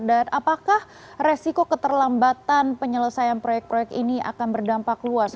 dan apakah resiko keterlambatan penyelesaian proyek proyek ini akan berdampak luas